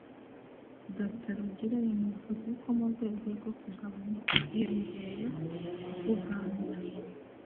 Dr Rugira yanavuze ko mu rwego rwo kugabanya ubwiyongere bw’ubwandu